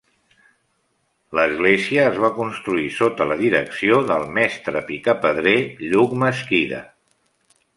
L'església es va construir sota la direcció del mestre picapedrer Lluc Mesquida.